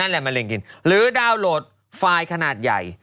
หรือดาวน์โหลดไฟล์คณาดใหญ่